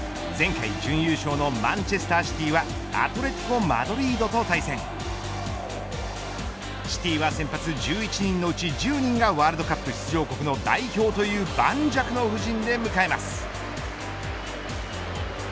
前回準優勝のマンチェスター・シティはアトレティコ・マドリードと対戦シティは先発１１人のうち１０人がワールドカップ出場国の代表という盤石の布陣で向かいます。